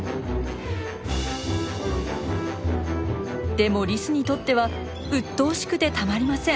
でもリスにとってはうっとうしくてたまりません。